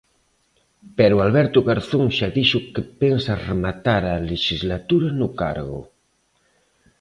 Pero Alberto Garzón xa dixo que pensa rematar a lexislatura no cargo.